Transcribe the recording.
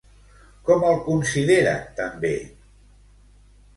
Com el considera també?